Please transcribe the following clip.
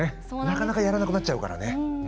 なかなかやらなくなっちゃうからね。